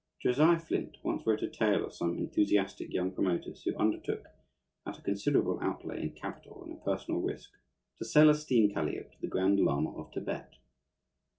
Josiah Flynt once wrote a tale of some enthusiastic young promoters who undertook, at a considerable outlay in capital and in personal risk, to sell a steam calliope to the Grand Lama of Thibet.